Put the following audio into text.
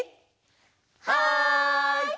はい！